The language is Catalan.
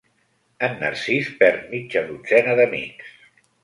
En Narcís perd mitja dotzena d'amics.